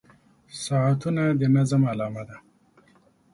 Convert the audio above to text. • ساعتونه د نظم علامه ده.